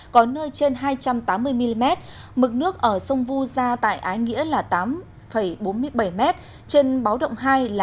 có nơi trên hai trăm tám mươi mm mực nước ở sông vu gia tại ái nghĩa là tám bốn mươi bảy m trên báo động hai là bốn mươi bảy m